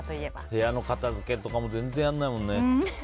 部屋の片づけとかも全然やらないもんね。